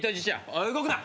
おい動くな。